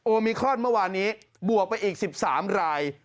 มิครอนเมื่อวานนี้บวกไปอีก๑๓ราย